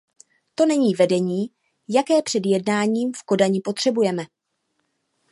To není vedení, jaké před jednáním v Kodani potřebujeme.